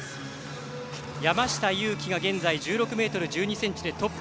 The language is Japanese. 山下祐樹が現在１６ｍ１２ｃｍでトップ。